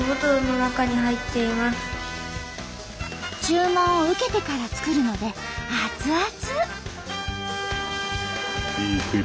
注文を受けてから作るので熱々！